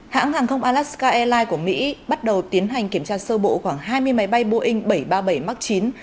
hãng hàng không alaska airlines của mỹ bắt đầu tiến hành kiểm tra sơ bộ khoảng hai mươi máy bay boeing bảy trăm ba mươi bảy max chín